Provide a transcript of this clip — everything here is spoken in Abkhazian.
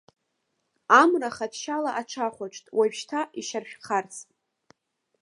Амра хатә шьала аҽахәаҽт, уажәшьҭа ишьаршәхарц.